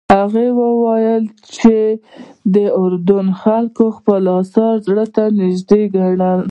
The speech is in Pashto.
هغه ویلي وو چې د اردن خلک خپل اثار زړه ته نږدې ګڼي.